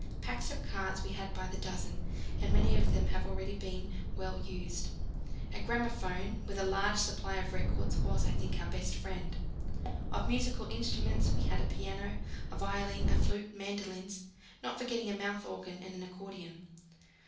Packs of cards we had by the dozen, and many of them have already been well used. A gramophone with a large supply of records was, I think, our best friend. Of musical instruments we had a piano, a violin, a flute, mandolins, not forgetting a mouth organ and an accordion.